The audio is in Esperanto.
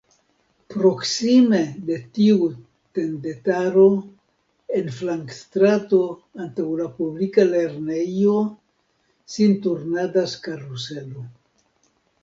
Proksime de tiu tendetaro, en flankstrato antaŭ la publika lernejo sin turnadas karuselo.